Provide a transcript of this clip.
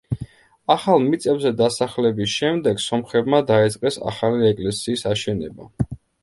ახალ მიწებზე დასახლების შემდეგ სომხებმა დაიწყეს ახალი ეკლესიის აშენება.